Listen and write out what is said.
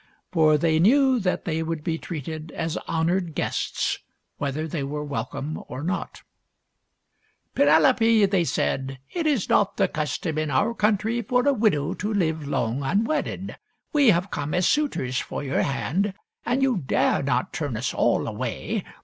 For they knew that they would be treated as hon ored guests, whether they were welcome or not. PENELOPE'S WEB l6l " Penelope," they said, " it is not the custom in our country for a widow to live long unwedded. We have come as suitors for your hand, and you dare not turn us all away.